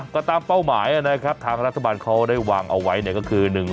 ก็ตามเป้าหมายนะครับทางรัฐบาลเขาได้วางเอาไว้เนี่ยก็คือ